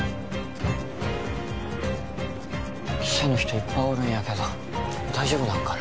記者の人いっぱいおるんやけど大丈夫なんかな？